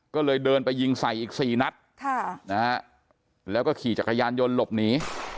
ก็เลยเดินไปยิงใส่อีก๔นัดแล้วก็ขี่จักรยานยนต์หลบหนี